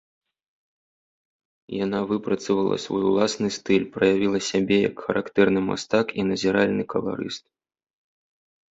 Яна выпрацавала свой уласны стыль, праявіла сябе як характэрны мастак і назіральны каларыст.